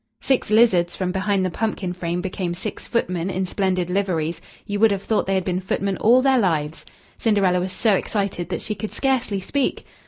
Six lizards from behind the pumpkin frame became six footmen in splendid liveries you would have thought they had been footmen all their lives. Cinderella was so excited that she could scarcely speak.